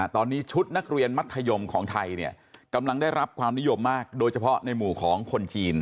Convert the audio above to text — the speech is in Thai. ตอนนี้ชุดนักเรียนมัธยมของไทยเนี่ยกำลังได้รับความนิยมมากโดยเฉพาะในหมู่ของคนจีน